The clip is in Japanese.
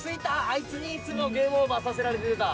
あいつにいつもゲームオーバーさせられてた。